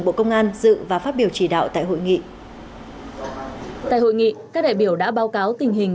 bộ công an dự và phát biểu chỉ đạo tại hội nghị tại hội nghị các đại biểu đã báo cáo tình hình